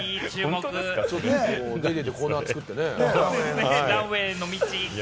ここでコーナー作ってね。